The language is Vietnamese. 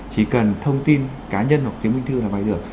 chỉ cần thông tin cá nhân hoặc kiếm minh thư là vai được